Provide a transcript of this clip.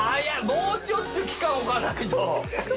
もうちょっと期間置かないと。